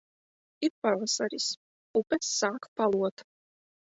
Ir pavasaris. Upes sāk palot.